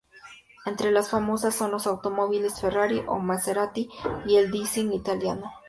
Entre las más famosas son los automóviles Ferrari o Maserati y el "design" italiano.